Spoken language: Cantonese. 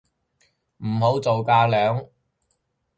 唔好做架樑